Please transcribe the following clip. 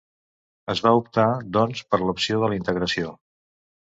Es va optar, doncs, per l'opció de la integració.